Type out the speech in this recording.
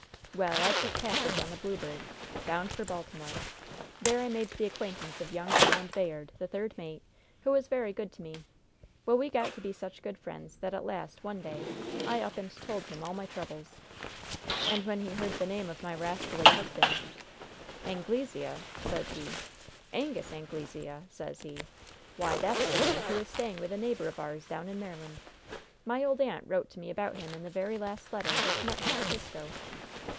"Well, I took passage on the Blue Bird, bound for Baltimore. There I made the acquaintance of young Roland Bayard, the third mate, who was very good to me. Well, we got to be such good friends that at last, one day, I up and told him all my troubles. And when he heard the name of my rascally husband: "'Anglesea,' says he 'Angus Anglesea!' says he. 'Why, that's the man who is staying with a neighbor of ours down in Maryland. My old aunt wrote to me about him in the very last letter, which met me at 'Frisco.'